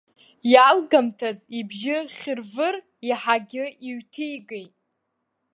Иалгамҭаз, ибжьы хьырвыр иаҳагьы иҩҭигеит.